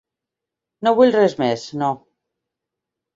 No vull res més, no.